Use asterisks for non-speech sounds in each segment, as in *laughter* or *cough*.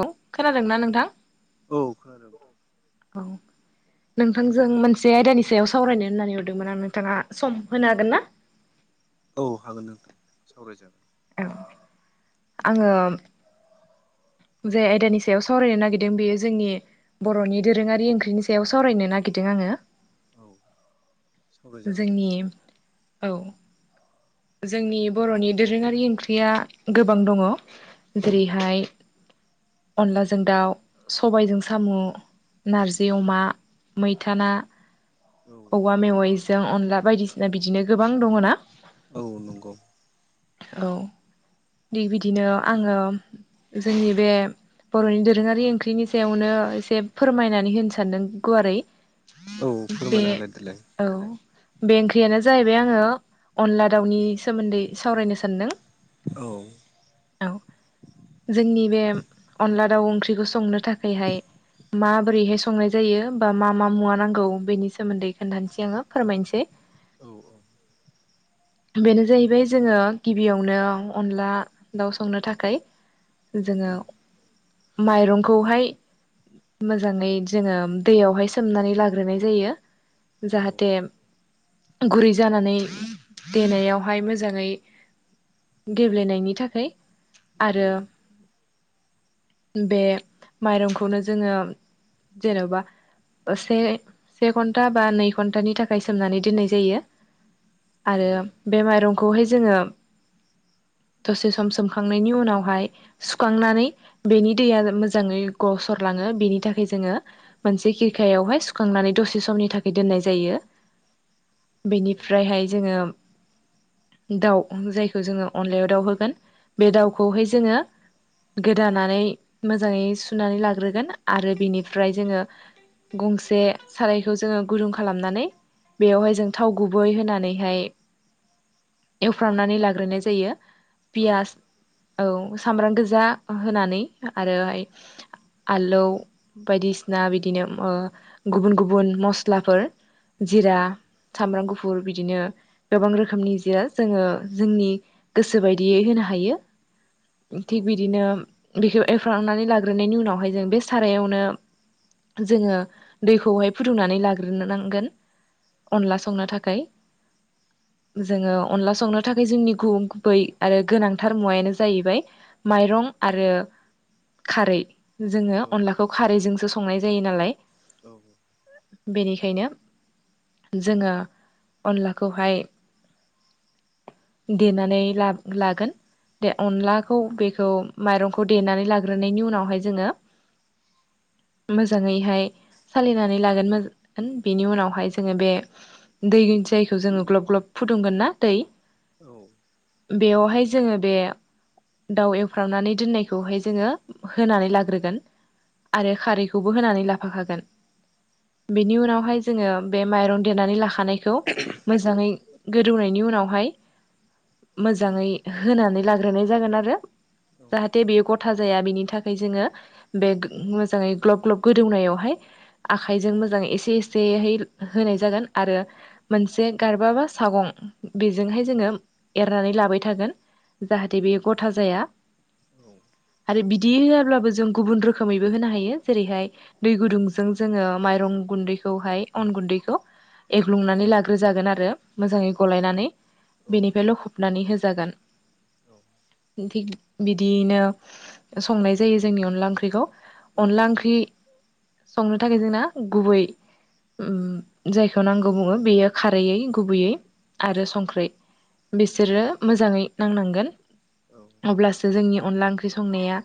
औ खोनादोंना नोंथां? खोनादों नोंथां औ। नोंथांजों मोनसे आयदानि सायाव सावरायनो होननानै हरदोंमोन आं नोंथाङा सम होनो हागोन ना? *inaudible* औ हागोन नोंथां सावरायजागोन। औ। आङो जे आयदानि सायाव सावरायनो नागिरदों बेयो जोंनि बर'नि दोरोङारि ओंख्रिनि सायाव सावरायनो नागिरदों आङो। औ सावरायजागोन जोंनि नोंथां औ जोंनि बर'नि दोरोङारि ओंख्रिया गोबां दङ। औ जेरैहाय अनलाजों दाउ, सबायजों सामु, नारजि अमा, मैथा ना, औवा मेवाइ नंगौ अनला बायदिसिना बिदिनो गोबां दङ ना। औ नंगौ औ। दि बिदिनो आङो जोंनि बे बर'नि दोरोङारि ओंख्रिनि सायावनो एसे फोरमायनानै होनो सानदों गुवारै। औ बे फोरमायना होलाय देलाय। औ बे ओंख्रियानो जाहैबाय आङो अनला दाउनि सोमोन्दै सावरायनो सान्दों। औ औ जोंनि बे अनला दाउ ओंख्रिखौ संनो थाखायहाय माबोरैहाय संनाय जायो, बा मा मा मुवा नांगौ, बेनि सोमोन्दै खोन्थानोसै आङो। फोरमायनोसै। औ औ। *inaudible* बेनो जाहैबाय जोङो गिबियावनो अनला दाउ संनो थाखै जोङो औ माइरंखौहाय मोजाङै जोङो दैयावहाय सोमनानै लाग्रोनाय जायो। औ जाहाथे गुरै जानानै देनायावहाय मोजाङै गेब्लेनायनि थाखै आरो औ बे माइरंखौनो जोङो जेन'बा से सेघन्टा बा नै घन्तानि थाखाय सोमनानै दोननाय जायो औ आरो बे माइरं खौहाय जोङो दसे सम सोमखांनायनि उनावहाय सुखांनानै बेनि दैया मोजाङै गसरलाङो बेनि थाखाय जोङो मोनसे खिरखायावहाय सुखांनानै दसे समनि थाखै दोननाय जा जायो। औ बेनिफ्रायहाय जोङो दाउ, जायखौ जोङो अनलायाव दाउ होगोन, बे दाउखौहाय जोङो गोदानानै मोजाङै सुनानै लाग्रोगोन आरो बिनिफ्राय जोङो गंसे सारायखौ जोङो गुदुं खालामनानै बेयावहाय जों थाव गुबै होनानैहाय एवफ्रामनानै लाग्रोनाय जायो पियास औ सामब्राम गोजा होनानै आरोहाय आलौ बायदिसिना बिदिनो ओ गुबुन गुबुन मस्लाफोर जिरा सामब्राम गुफुर गुफुर बिदिनो गोबां रोखोमनि जिरा जोङो जोंनि गोसो बायदियै होनो हायो। औ थिक बिदिनो बेखौ एवफ्रामनानै लाग्रोनायनि उनावहाय जों बे सारायावनो जोङो दैखौहाय फुदुंनानै लाग्रोनो नांगौ। नांगोन अनला संनो थाखाय जोङो अनला संनो थाखाय जोंनि गुबुन गुबै आरो गोनांथार मुवायानो जाहैबाय माइरं आरो खारै जोङो औ अनलाखौ खारैजोंसो संनाय जायो नालाय औ। बेनिखायनो जोङो अनलाखौहाय देनानै ला-लागोन दे अनलाखौ बेखौ माइरंखौ देनानै लाग्रोनायनि उनावहाय जोङो मोजाङैहाय सालिनानै लागोन मोज गोन बेनि उनावहाय जोङो बे दै जायखौ जोङो ग्लब ग्लब फुदुंगोन ना दै बेवहाय जोङो बे दाउ एवफ्रामनानै दोननायखौहाय जोङो होनानै लाग्रोगोन आरो खारैखौबो होनानै लाफाखागोन बेनि उनावहाय जोङो बे माइरन देनानै लाखानायखौ मोजाङै गोदौनायनि उनावहाय मोजाङै होनानै लाग्रोनाय जागोन आरो। जाहाते बेयो गत था जाया बिनि थाखाय जोङो बे मोजाङै ग्लब ग्लब गोदौनायावहाय आखाइजों मोजां एसे एसे एसेहै होनाय जागोन आरो मोनसे गारबाबा सागं बेजोंहाय जोङो एरनानै लाबाय थागोन जाहाथे बेयो गथा जाया। आरो बिदि होआब्लाबो जों गुबुन रोखोमैबो होनो हायो जेरैहाय दै गुदुंजों जोङो माइरं गुन्दै खौहाय अन गुन्दैखौ एग्लुंनानै लाग्रोजागोन आरो मोजाङै गलायनानै बेनिफ्राय लखबनानै होजागोन। *inaudible* थिग बिदियैनो संनाय जायो जोंनि अनला ओंख्रिखौ अनला ओंख्रि संनो थाखाय जोंना गुबै जायखौ नांगौ बुङो बेयो खारैैयै गुबैयै आरो संख्रै बिसोरो मोजाङै नांनांगोन अब्लासो जोंनि अनला ओंख्रि संनाया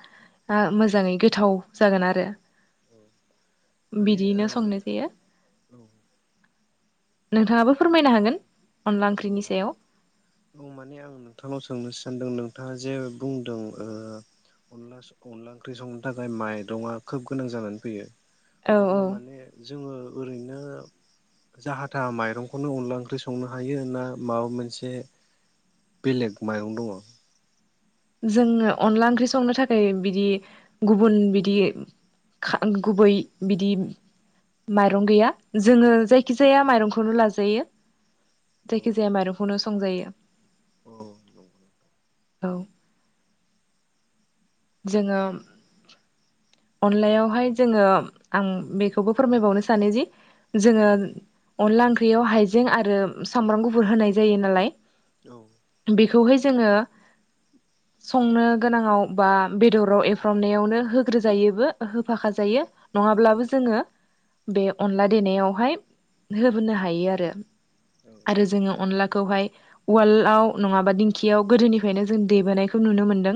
ओ मोजाङै गोथाव जागोन आरो। माने बिदियैनो संनाय जायो। ओ नोंथाङाबो फोरमायनो हागोन अनला औ ओंख्रिनि औ सायाव औ माने आं नोंथांनाव सोंनो सानदों नोंथाङा जे बुंदों ओ अनला अनला ओंख्रि संनो थाखाय माइरंआ खोब गोनां जानानै फैयो। औ अब्ला औ माने जोङो ओरैनो जाहा थाहा माइरंखौनो अनला ओंख्रि संनो हायो ना माबा मोनसे बेलेग माइरं दङ? जोङो अनला ओंख्रि संनो थाखाय बिदि गुबुन बिदि गुबै बिदि माइरं गैया जोङो जायखिजाया माइरंखौनो लाजायो जायखिजाया माइरंखौनो संजायो औ नंगौ औ। जोङो अनलायावहाय जोङो आं बेखौबो फोरमायबावनो सानो जि जोङो औ अनला ओंख्रियाव हाइजें आरो सामब्राम गुफुर होनाय जायो नालाय औ बेखौहाय जोङो संनो गोनाङाव बा बेदराव एफ्रामनायावनो होग्रोजायोबो होफाखाजायो औ नङाब्लाबो जोङो बे अनला देनायावहाय होबोनो हायो आरो। आरो जोङो अनलाखौहाय उवालआव नङाबा दिंखियाव गोदोनिफ्रायनो जों देबोनायखौ नु नुनो मोनदों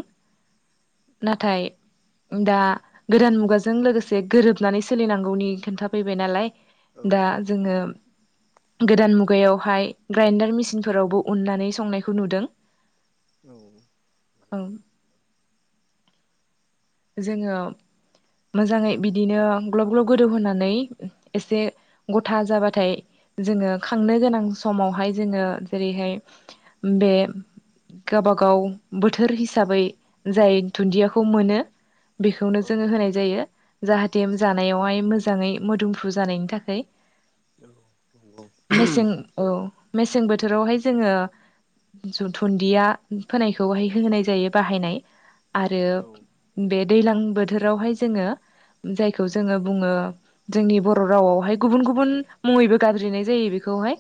नाथाय दा गोदान मुगाजों लोगोसे गोरोबनानै सोलिनांगौनि खोन्थाफैबाय नालाय दा जोङो गोदान मुगायावहाय ग्राइन्डार मिसिनफोरावबो उननानै संनायखौ नुदों। औ ओं जोङो मोजाङै बिदिनो ग्लब ग्लब गोदौहोनानै एसे गथा जाबाथाय जोङो खांनो गोनां समावहाय जोङो जेरैहाय बे गावबागाव बोथोर हिसाबै जाय दुन्दियाखौ मोनो बेखौनो औ जोङो होनाय जायो जाहाथे जानायावहाय मोजां मोजाङै मोदोमफु जानायनि थाखाय। मेसें औ मेसें बोथोरावहाय जोङो जो थुन्दिया फोनायखौहाय होनाय जायो बाहायनाय आरो औ औ बे दैलां बोथोरावहाय जोङो जायखौ जोङो बुङो जोंनि बर' रावावहाय गुबुन गुबुन मुङैबो गाबज्रिनाय जायो बेखौ खौहाय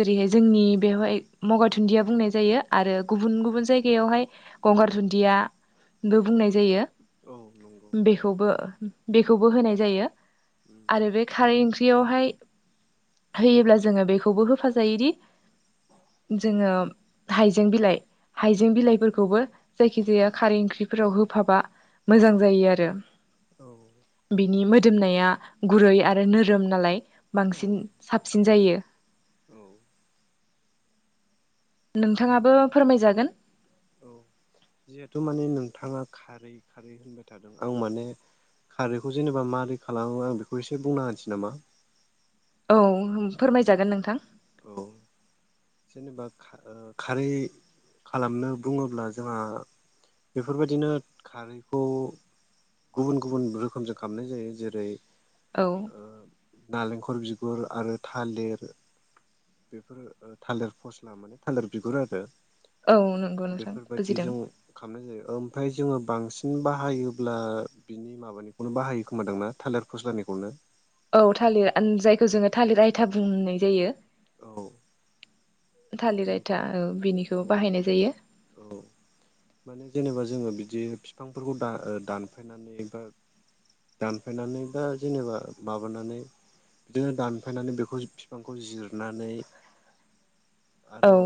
जेरैहाय जोंनि बेवहाय मगा दुन्दिया बुंनाय जायो आरो गुबुन गुबुन जायगायावहाय गं गंगार दुन्दियाबो बुंनाय जायो नंगौ औ नंगौ बेखौबो बेखौबो होनाय जायो आरो बे खारै ओंख्रियावहाय होयोब्ला जोङो बेखौबो होफाजायोदि जोङो हाइजें बिलाइ हाइजें बिलाइफोरखौबो जायखि जाया खारै ओंख्रि बेफोराव होफाबा मोजां जायो आरो। औ बिनि मोदोमनाया गुरै आरो नोरोम नालाय बांसिन साबसिन जायो। *inaudible* औ नोंथाङाबो फोरमायजागोन। औ जिहेथु माने नोंथाङा खारै खारै होनबाय थादों आं माने खारैखौ जेनेबा मारै खालामो आं बेखौ एसे बुंना होनसै नामा? औ होम फोरमायजागोन नोंथां। औ जेनेबा खा ओ खारै खालामनो बुङोब्ला जोंहा बेफोरबायदिनो खारैखौ गुबुन गुबुन रोखोमजों खामनाय जायो जेरै औ ओ नालेंखर बिगुर आरो थालिर बेफोरो ओ थालिर फस्ला माने थालिर बिगुर आरो। औ नंगौ नोंथां बुजिदों बेफोरबायदिजों खामनाय जायो ओमफ्राय जोङो बांसिन बाहायोब्ला बिनि माबानिखौनो बाहायो खोमादांना थालिर फस्लानिखौनो? औ थालिर आन जायखौ जोङो थालिर आयथा बुंनाय जायो। औ थालिर आयथा बिनिखौ औ बिनिखौ औ बाहायनाय जायो। औ माने जेनेबा जोङो बिदि बिफांफोरखौ दा ओ दानफायनानै एबा दानफायनानै बा जेनेबा माबानानै बिदिनो दानफायनानै बेखौ बिफांखौ जिरनानै औ आरो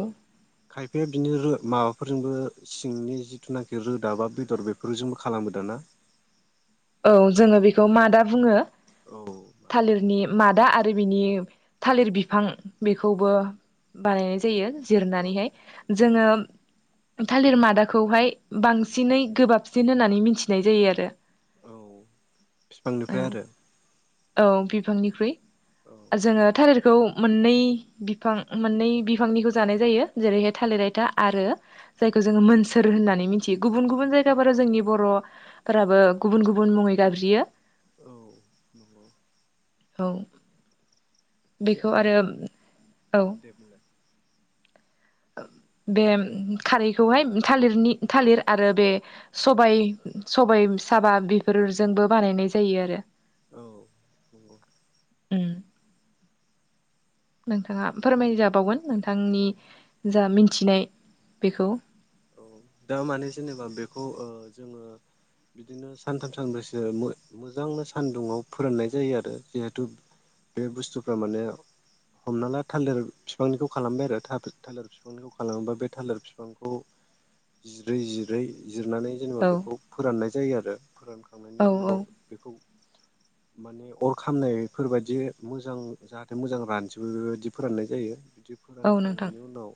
खायफाया बिनि रो माबाफोरजोंबो सिंनि जिथुनाखि रोदा बा बेदर बेफोरजोंबो खालामो दां ना? *inaudible* औ जोङो बेखौ मादा बुङो औ थालिरनि माद दा आरो बिनि थालिर बिफां बेखौबो बानायनाय जायो। औ जिरनानैहाय औ जोङो थालिर मादाखौहाय बांसिनै गोबाबसिन होननानै मिथिनाय जायो आरो। औ औ बिफांनिफ्राय आरो। औ बिफांनिख्रुइ औ जोङो थालिर खौ मोननै बिफां मोननै बिफांनिखौ जानाय जायो जेरैहाय थालिर हायथा आरो जायखौ जोङो मोनसोर होननानै मिथियो गुबुन गुबुन जायगाफोराव जोंनि बर'फोराबो गुबुन गुबुन। गुबुन मुङै गाबज्रियो। औ नंगौ। औ ओ बेखौ आरो औ। दे बुंलाय *unintelligible* बे खारैखौहाय थालिरनि थालिर आरो बे सबाय सबाय। साबा बेफोरजोंबो बानायनाय जायो आरो। औ औ। उम। नोंथाङा फोरमायजाबावगोन नोंथांनि औ जा मिन्थिनाय बेखौ। औ दा माने जेनेबा बेखौ ओ जोङो बिदिनो सानथाम सानब्रैसो मो मोजांनो सान्दुंङाव फोराननाय जायो आरो जिहेथु बे बुस्थुफ्रा माने हमना ला थालिर बिफांनिखौ खालामबाय आरो थालिर बिफांनिखौ खालामोबा बे थालिर बिफांखौ जिरै जिरै। बिजिरनानै जेनेबा औ बेखौ फोराननाय जायो आरो फोरानखांनायनि औ उनाव औ बेखौ माने अर खामनायफोरबायदि मोजां जाहाथे मोजां रानजोबो बेबायदि फोराननाय जायो। बिदि औ नोंथां फोरानखांनायनि उनाव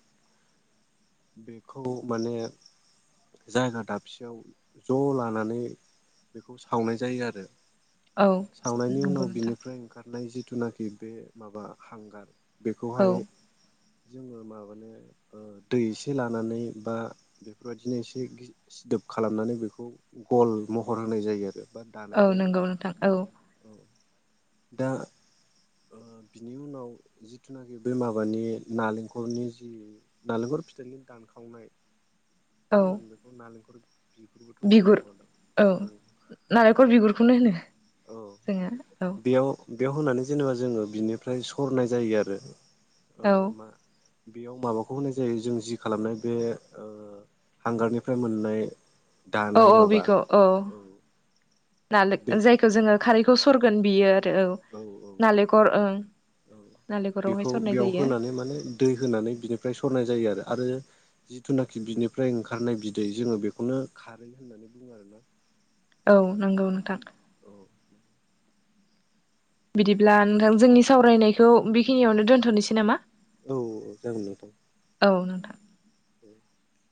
बेखौ माने जायगा दाबसेयाव ज' लानानै बेखौ सावनाय जायो आरो। औ सावनायनि नंगौ उनाव नोंथां बिनिफ्राय ओंखार नाय जिथुनाखि बे माबा हांगार औ बेखौहाय जोङो माबानो दै एसे लानानै बा बेफोरबायदिनो एसे सिदोब खालामनानै बेखौ गल महर होनाय जायो आरो। बा दानाय औ जायो नंगौ नोंथां औ। औ दा। ओ बिनि उनाव जिथुनाखि बे माबानि नालेंखलनि जि नालेंखर फिथाइनि दानखावनाय औ माहोनगोन बेखौ नालेंखरनि बिगुर औ नारेंखल बिगुरखौनो होनो। औ जोङो औ। बेयाव बेयाव होनानै जेनेबा जोङो बिनिफ्राय सरनाय जायो आरो औ मा बेयाव माबाखौ होनाय जायो जों जि खालामनाय बे ओ हांगारनिफ्राय मोननाय औ दानाय औ माबा बेखौ औ नाले बे जायखौ जोङो खारैखौ सरगोन बियो। आरो नालेंखर ओं। नालेंखरावहाय बिखौ सरनाय बेयाव जायो होनानै माने दै होनानै बिनिफ्राय सरनाय जायो आरो। आरो जिथुनाखि बिनिफ्राय ओंखारनाय बिदै जोङो बेखौनो खारै होननानै बुङो आरोना। औ नंगौ नोंथां। औ बिदिब्ला नोंथां जोंनि सावरायनायखौ बेखिनियावनो दोनथ'नोसै नामा? औ औ जागोन नोथां। औ नोंथां। *inaudible*